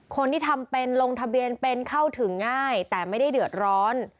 คนที่ทำเป็นลงทะเบียนเป็นเข้าถึงง่ายแต่ไม่ได้เดือดร้อน